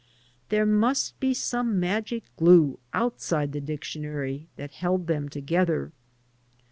There must be some magic glue outside the dictionary that held them together.